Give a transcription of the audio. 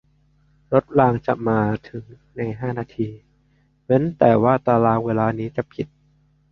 รถรางจะมาถึงในห้านาทีเว้นแต่ว่าตารางเวลานี้จะผิด